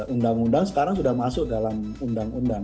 undang undang sekarang sudah masuk dalam undang undang